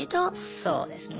そうですね。